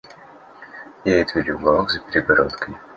Ей отвели уголок за перегородкой.